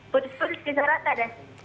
putus putus kita rata deh